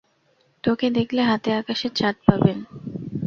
তোকে দেখলে হাতে আকাশের চাঁদ পাবেন।